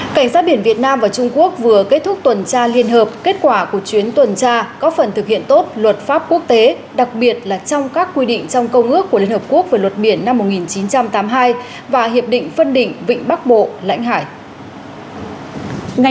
cảnh sát biển việt nam và trung quốc vừa kết thúc tuần tra liên hợp kết quả của chuyến tuần tra có phần thực hiện tốt luật pháp quốc tế đặc biệt là trong các quy định trong công ước của liên hợp quốc về luật biển năm một nghìn chín trăm tám mươi hai và hiệp định phân định vịnh bắc bộ lãnh hải